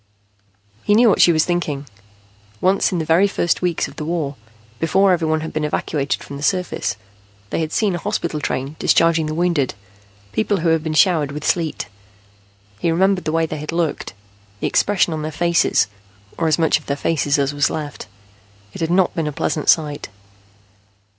He knew what she was thinking. Once in the very first weeks of the war, before everyone had been evacuated from the surface, they had seen a hospital train discharging the wounded, people who had been showered with sleet. He remembered the way they had looked, the expression on their faces, or as much of their faces as was left. It had not been a pleasant sight.